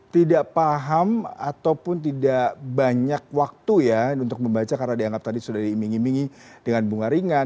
tidak paham ataupun tidak banyak waktu ya untuk membaca karena dianggap tadi sudah diimingi imingi dengan bunga ringan